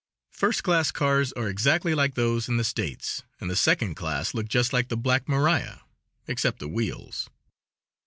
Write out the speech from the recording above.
First class cars are exactly like those in the States, and the second class look just like the "Black Maria," except the wheels.